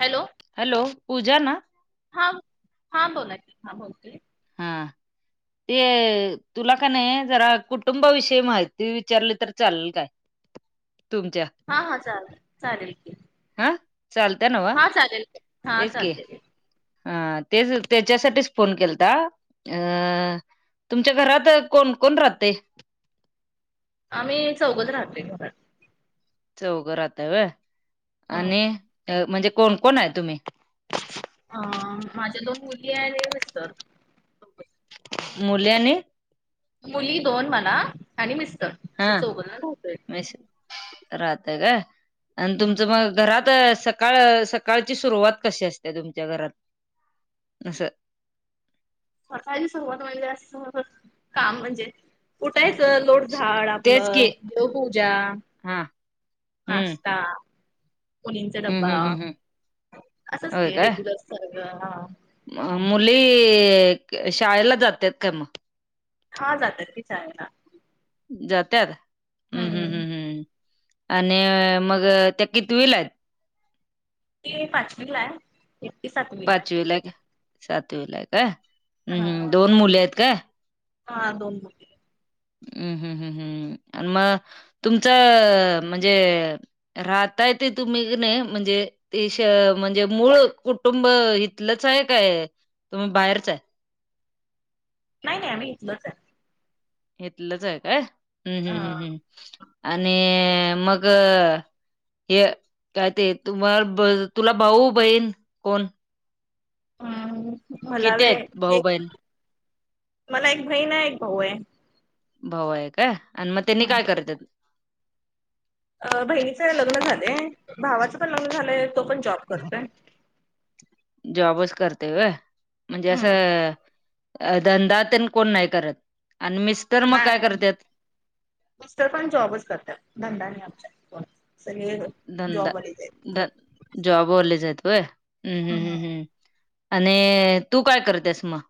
Hello hello पूजा ना हां ब हां बोला हां बोलतोय हा ते तुला का नाही जरा कुटुंबाविषयी माहिती विचारली तर चालल काय तुमच्या हा हा चालेल चालेल की हा चालत न्हव हां चालेल हां तेच की चालते हा तेच त्याच्यासाठीच फोन केल - ता अ तुमच्या घरात कोण कोण राहतय आम्ही चौगच राहतोय घरात चौघ राहाताय होय हं. आणि म्हणजे कोण कोण आहे तुम्ही हा माझ्या दोन मुली आणि मिस्टर मूली आणि मुली दोन म्हणा आणि मिस्टर हा असं चौघजण राहतोय मीस राहतय का आणि हं. तुमचं मग घरात सकाळ सकाळची सुरुवात कशी असते तुमच्या घरात अस स काळची सुरुवात म्हणजे अस काम म्हणजे उठायचं लोटझाड तेच की आपलं देवपूजा हा हम्म नाश्ता मुलींचा हं डब्बा हं हं हं असच होय की काय रेग्युलर सारख मुली शाळेला जात्यात काय मग हा जात्यात की शाळेला जात्यात हम्म हम् हं. हम् हम् आणि मग त्या कितवीला आहेत? ते पाचवी ला आहे. एकटी सातवीला आहे. पाचवीला एक सातवीला एक आहे हम हम हा दोन मुलीआहेत का? हा दोन मुली. हम्म हम् हम् हम् आणि मग तुमचं म्हणजे, राहता येत तुम्ही का नाही म्हणजे, तश म्हणजे मूळ कुटुंब इथलंच आहे, काय तुम्ही बाहेरच आहे. नाही नाही आम्ही इथलच आहे. इथलच आहे काय हम् हम् हा हम् हम्, आणि मग हे काय ते तुम्हा तुला भाऊ बहीण कोण? हम् मला किती होय, आहेत भाऊ एक बहीण मला एक बहीण आहे एक भाऊ आहे. भाऊ आहे काय आणि मग त्यांनी काय करत. अ बहिणीच लग्न झालेय भावाचं पण लग्न झालंय तो पण जॉब करतोय. जॉबच करते होय, म्हणजे हम्म. असं अ धंदात कोण नाही करत आणि मी नाही मिस्टर पण जॉबच करतात धंदा नाही आमच्या कोणच. धंदाध जॉब वालेच आहेत होय. हम्म हम् हम्म हम्म आणि तू काय करतेस मग,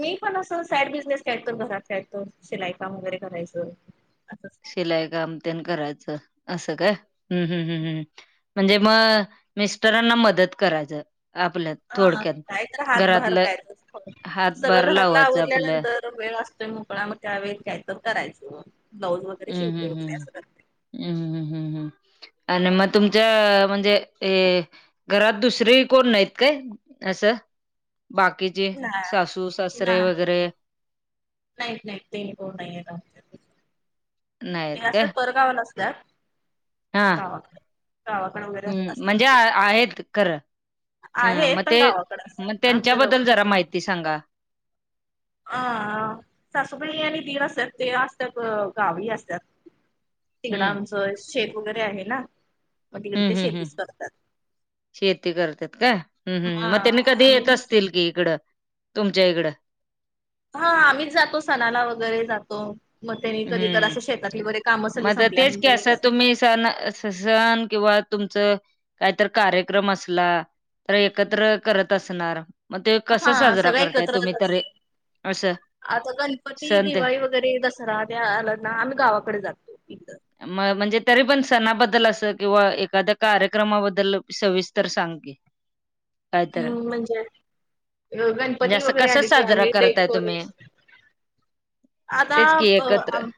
मी पण असंच साईड बिझनेस काय तर घरात काय तर, शिलाईकाम वगैरे करायचं असंच. शिलाई काम तेन करायचं असं काय हम्म हम् हम् हम्. म्हणजे मग मिस्टरांना मदत करायचं आपल्या हा थोडक्यात काय तर हातभार घरातलं काय तर सगळ हातभार घरातलं लावायचं आपलं आवरल्यानंतर. वेळ असतोय मोकळा मग त्यावेेळ काय तर करायचं ब्लाऊज वगैरे शिवते वैे असं कर हम्ममम् हम्म हम्म. आणि मग तुमच्या म्हणजे घरात दुसरे कोण नाहीत काय. असं बाकीचे ना सासू सासरे वगैरे, नाही नाही ते नि को नाही ते नाहीत काय असं परगावाला. असतात. हा गावाकडे गावाकडे वगैरे हम् असतात म्हणजे ते आहेत खरं. ह मग आहेत पण ते गावाकडे मग असतात आमच्या जवळ त्यांच्याबद्दल जरा नसतात. माहिती सांगा. अ सासूबाई आणि दिर असतात, ते असतात गावी असतात. तिकडं हम्म आमचं शेत वगैरे आहे ना, मग तिकडे हम्म ते हम्म हम्म शेतीच करतात. शेती करतात का ह ह् हा मग त्यांनी कधी आम्ही येत बिझ असतील कि इकडं. तुमच्या इकडं. हा आम्हीच जातो सणाला वगैरे जातो. मग त्यांनी कधी तर हम्म असं शेतातली बैरे कामं सगळी संपल्या आणि नंतर येतात. मी [unintelligible] सन किंवा तुमचं काहीत कार्यक्रम असला. तर एकत्र करत असणार. मग ते कसा हा साजरा सगळं करताय एकत्रच तुम्ही तर असतं. असं आता गणपती, सन. दिवाळी दसरा त्या आला ना आम्ही गावाकडे जातो इथ, म म्हणजे तरी पण सणाबद्दल असं किंवा एखाद्या कार्यक्रमाबद्दल सविस्तर सांग की. [inaudible] [unintelligible] हम् म्हणजे, म्हणजे गणपती असं वगैरे कसं आले की साजरा आम्ही करताय डेकोरे तुम्ही? आता तेच की एकत्र आम्ही.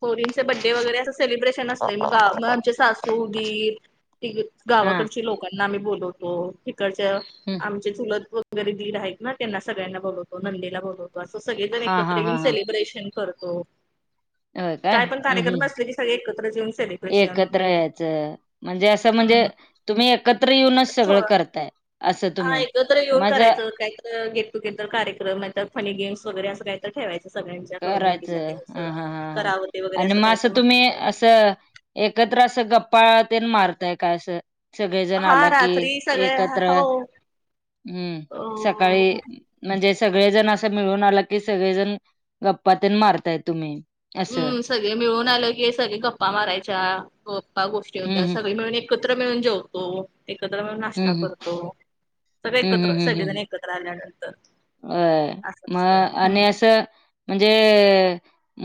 पोरींचं बड्डे वगैरे असं सेलिब्रेशन असते मग मग आमचे सासू दीर, त हा गावाकडची लोकांना आम्ही बोलवतो तिकडच्या हं. आमचे चुलत, दीर आहेत ना त्यांना सगळ्यांना बोलवतो नंदेला बोलवतो. अस सगळेजण हा हा एकत्र हा येऊन हा सेलिब्रेशन करतो. होय का काय पण हम् कार्यक्रम हम् असले की सगळे एकत्रच येऊन सेलिब्रेशन एकत्र यायचं. म्हणजे असं म्हणजे हम्म. तुम्ही एकत्र येऊनच सगळं करताय असं हा तुम्ही एकत तर येऊन मजा करायचं काहीत गेट टुगेदर कार्यक्रम मा फनी गेम्स वगैरे असं काही तर ठेवायचं सगळ्यांच्या करायचं करवणुकीसाठी अस हां हां करावते वगैरे असं काय तर म्हणायचं अससं एकत्र असं गप्पाळात मारतय काय असं सगळेजण हा आलं की रात्री सगळे एकत्र हो हम् अ सकाळी म्हणजे सगळेजण असं मिळून आला की सगळेजण गप्पातन मारताय तुम्ही असं हम्म सगळे मिळून आलं की सगळे गप्पा मारायच्या गप्पा गोष्टी होत्या हम्म सगळे मिळून एकत्र मिळून जेवतो एकत्र मिळून हम्म नाश्ता हम्म करतो सगळे हम्म एकत्र सगळेजण एकत्र ल्यात अ मग आणि असं म्हणजे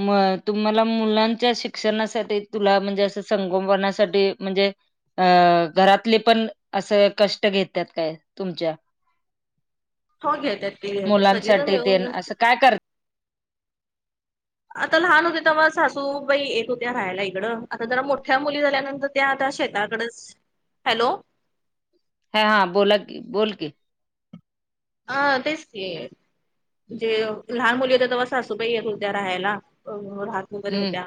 म तुम्हाला मुलांच्या शिक्षणासाठी तुला म्हणजे असं संगोपनासाठी म्हणजे अ घरातले पण असं कष्ट घेतात काय तुमच्या हो घेतेत तेी घेत सगळे जण मुलांसाठी ते मिळ असं काय करते आता लहान होते तेव्हा सासू बाई येत होत्या राहायला इकडं आता जरा मोठ्या मुली झाल्यानंतर त्या आता शेताकडच हॅलो हा हा बोला की बोल की अ तेच ते जे लहान मुली होेत तर ब सासूबाही येतो त्या्या राहायला राह वगैरे हम्म होत्या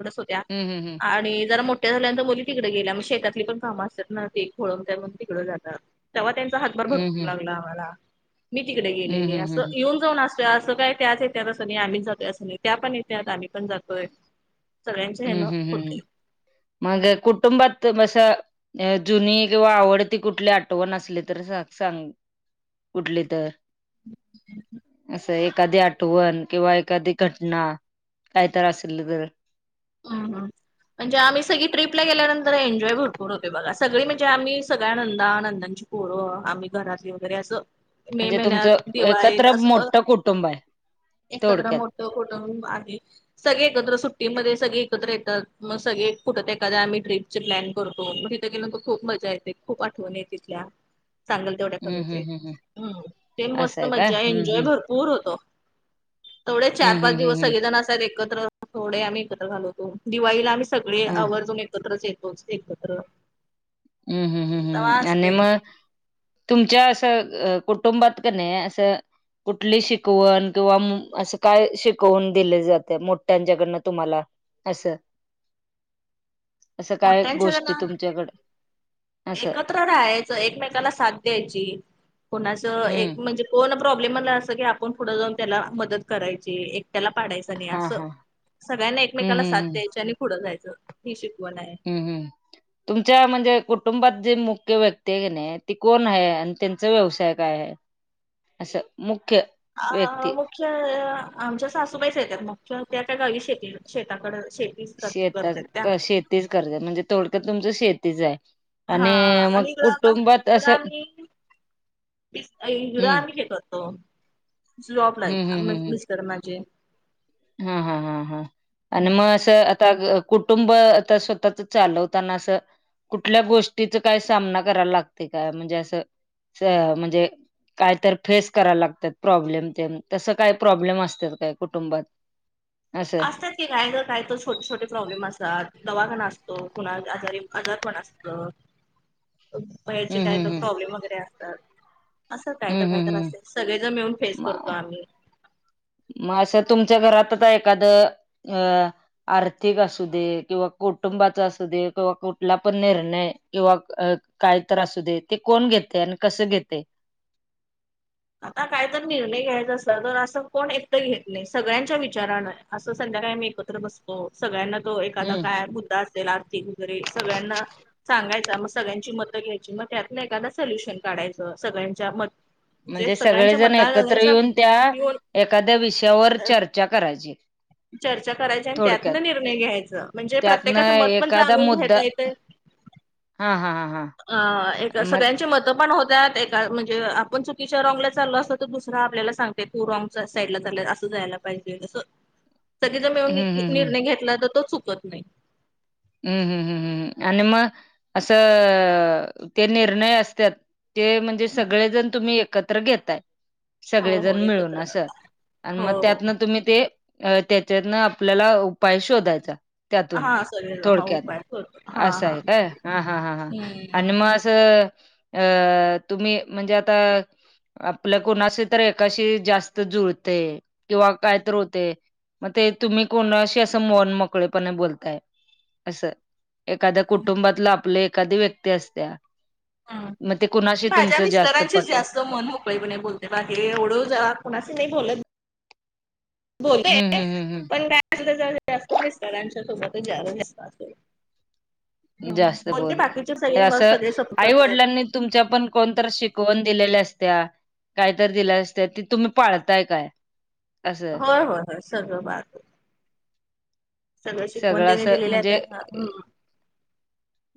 एढच होत्या हम्म हम्म आणि जरा मोठ झाल्यानंतर बोली तिकडे गेल्या शेतातली पण काम असतात ना ते खोळून त्याून तिकडं जात तेव्हा त्यांचा हातभार भरक हम्म लागला आम्हाला मी तिकडे हम्म गेलेले हम्म हम्म असं हम्म येऊन जाऊन अस असं काय त्याच येत असं नाही आम्च जातोय असं नाही त्या पण येत आम्ही पण जातोय सगळ्यांच्या हम्म हेन हम् हम् होतय. मग कुटुंबात मस जुनी किंवा आवडतीी कुठली आठवण असली तर सांग कुठली तर असं एखादी आठवण किंवा एखादी घटना काहीत असल तर हम हम म्हणजे आम्ही सगळी ट्र्रीपला गेल्यानंतर एन्जॉय भरपूर होतेो बघा सगळी म्हणजे आम्ही सगळ्या आंद आनंदांची हो आम्ही घरातली वगैरे असं मे म्हणजे महिन्यात तुमचं दिवाळीत एकत्र अस मोठं कुटुंब आहे एकत्र थोडक्यात मोठ कुठ आधी सगळे एकत्र सुट्टीमध्ये सगळे एकत्र येतात मगळे कुठं ते एखा्या आम्ही ट्रपचे प्लॅन करतो मग तथं गेलं तर खूप मजा येते खूप आठव तिथग तेवढ्या हम्म हम्म कमी हम्म हम्म ते असं मस्त का मजा आहे हम्म एन्जॉय हम्म बघ पूर होतो थोडे चार हम्म पाच हम्म दिवस हम्म हम्म सगळेजण असाात एकत्र थोडे आम्ही घालवतो दिवाळीला आम्ही सगळे अ आवर्जून एकत्रच येतोच एकत्र हम्म हम् हम्म तेव्हा हम् आणि असते मग तुमच्या असं कुटुंबात कने असं कुठली शिकवण किंवा असं काय शिकवून दिले जाते मोठ्यांच्याकडनं तुम्हाला अस असं काय मोठ्यांच्या गोष्टी ना तुमच्याकड असं एकत्र राहायचं एकमेकाला साथ द्यायची कोणाचं हम्म एक म्हणजे कोण प्रॉब्लेमला असं की आपण पुढं जाऊन त्याला मदत करायची एक त्याला पाडायची हा असं हा सगळ्यांना हम्म एकमेकाला हम्म साथ हम्म द्यायची आणि पुढं जायचं हे शिकवण आहे ह् तुमच्या म्हणजे कुटुंबात जे मुख्य व्यक्ती आहे ती कोण आहे आणि व्यवसाय काय आहे असं मुख्य हा हा व्यक्ती मग मुख्य आमच्या सासूबाईच येतात मुख्य त्या त्या गावी शेती शेताकड शेती शेतात शेती करज म्हणजे थोडक्या तुमचं शेतीच आहे हा आणि मग आणि इकडं कुटुंबात असं ड हम्म आम्ही हे करतो जॉब ला हम्म हम्म म हम्म पस कर माझे हा हा हा हा आणि मग असं कुटुंब स्वतःच चालवताना असं कुठल्या गोष्टीच काय सामना करायला लागते का म्हणजे असं म्हणजे काय तर फेस करायला लागतात प्रॉब्लेम ते तसं काय प्रॉब्लेम असतात काय कुटुंबात असं असतात की गाय ज काय तर छोटे छोटे प्रॉब्लेम असतात दवाखा असतो कुणा आजारी आजार पण असतो ह्याचे हम्म काय हम्म हम्म प्रॉब्लेम वगैरे असतात असं काय तर हम्म काय तर हम्म हम्म असेल सगळे ज मिळून फेस करतो म- आम्ही मग असं तुमच्या घरातच एखादं अं आर्थिक असू दे किंवा कुटुंबाचा असू दे किंवा कुठला पण निर्णय किंवा काही तर असू दे ते कोण घेते आणि कसं घेते आता काय तर निर्णय घ्यायचा असेल तर असं कोण एकटं घेत नाही सगळ्यांच्या विचाराानं असं संध्याकाळी मी एकत्र बसतो सगळ्यांना तो एखादा हम्म काय मुद्दा असत आर्थिक वगैरे सगळ्यांना सांगायचा मग सगळ्यांची मतं घ्यायची मग त्यातलं एखादा सोल्युशन काढायचं सगळ्यांच्या मत जे म्हणजे सगळ्यांच्या सगळेजण एकत्र मताच्या येऊन त्या घेऊन एखाद्या विषयावर चर्चा करायची चर्चा करायची आणि त्यातन थोडक्यात निर्णय घ्यायचां म्हणजे त्यातनं प्रत्येकाचं मत पण जा एखादा जाणून मुद्दा घेता येतं हा हा हा हा अ एक मग सगळ्यांची मतं पण होतात एक म्हणजे आपण चुकीच्या रॉंगला चाल असत तर दुसरा आपल्याला सांगते तू रॉंग साईडला चाल असं जायला पाहिज ह सगळी जर मिळून निर्णय घेतला तर तो चुकत नाही हम् हम्म हम् हम् आणि मग असं ते निर्णय असतात ते म्हणजे सगळेजण तुम्ही एकत्र घेताय हो हो सगळेजण मिळून एकत्र अस आणि हो मग हो त्यातन तुम्ही ते अ त्याच्यातन आपल्याला उपाय शोधायचा त्यातून हा सगळेजण हा थोडक्यात उपाय करतो हा असं हा. आहे काय हा हा ह ह हम्म. आणि मग अस अं तुम्ही म्हणजे आता आपल्या कोणाशी तर एकाशी जास्त जुळते किंवा काय तर होते मग ते तुम्ही कोणाशी असं मन मोकळेपणे बोलताय असं एखाद्या कुटुंबातलं आपल्या एखादी व्यक्ती असत्या हम्म. मग ते मी कुणाशी माझ्या तुमचं जास्त मिस्टरांशीच पटत जास्त मन बोलते बा हे ओळू जा कोुणाशी नाही बोलत हम्म बोलत हम्म हम्म पण काय सुध जास्त मिस्तळांच्या सोबत जास्त अस जास्त बाकीचे बोलत सगळे मग असं सगळे सपोर्ट करतात. आईवडिलांनी तुमच्या पण कोणत शिकवण दिलेल्या असत्या कायत दिलं असत त तुम्ही पाळताय काय असं? होय होय होय सगळं बात सगळं शिकवण त्यांनी असं दिलेल्या म्हणजे त्या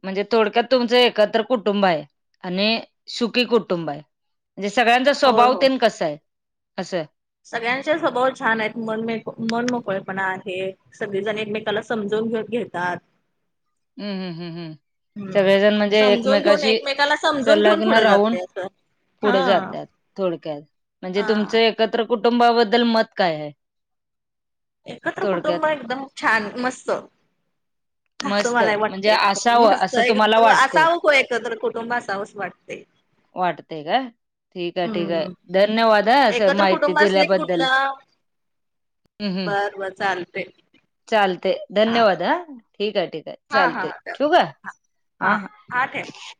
म्हणजे थोडक्यात तुमचं एकत्र कुटुंब आहे आणि सुकीी कुटुंब आहे म्हणजे सगळ्यांचा होय स्वभाव होय. तेन कस आहे असं सगळ्यांचे स्वभाव छान आहेत मन मनमकळेपणा आहे सगळेजण एकमेकाला समजवून घे घेतात हम् हम् हम्म हम हम्म. सगळेजण म्हणजे समजून घेऊन एकमेकाशी एकमेकाला समजून घेऊन संलग्न पुढे राहून जाते असं पुढे हा. जातात. थोडक्यात म्हणजे तुमचं हा एकत्र कुटुंबा बद्दल मत काय आहे? एकत्र थोडक्यात? कुटुंब एकदम छान मस्त अस मस्त मला ही म्हणजे वाटतय, असावं मस्त असं एक तुम्हाला वाटतंय असावं ख एकत्र कुटुंब असावंच वाटतय. वाटते का ठीक आहे ठीक आहे हम्म. धन्यवाद हा एकत्र माहिती कुटुंब असले की दिल्याबद्दल. कुठलं हम्म हम् बरं बरं चालतंय. चालतंय धन्यवाद हा ठीक आहे ठीक आहे. हा हा. चालतंय हा. ठेवू हा हा ठेव. काय?